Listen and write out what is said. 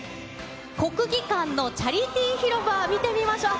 国技館のチャリティー広場、見てみましょう。